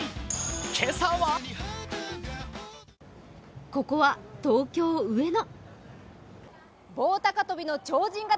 今朝はここは東京・上野。